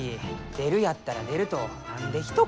出るやったら出ると何でひと言。